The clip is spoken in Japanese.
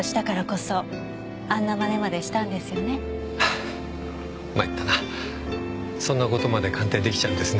そんな事まで鑑定出来ちゃうんですね。